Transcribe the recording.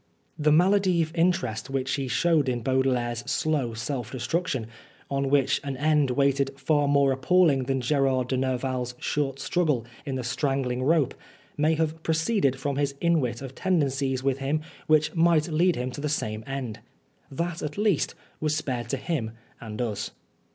The maladive interest which he showed in Baudelaire's slow self destruction, on which an end waited far more appalling than Gerard de Nerval's short struggle in the strangling rope, may have proceeded from his inwit of tendencies with him which might lead him to the same end. That at least was spared to him and us.